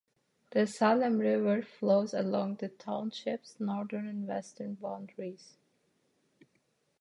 The Salem River flows along the township's northern and western boundaries.